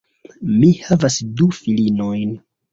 Mi havas du filinojn.